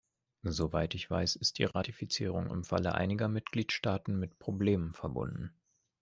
Soweit ich weiß, ist die Ratifizierung im Falle einiger Mitgliedstaaten mit Problemen verbunden.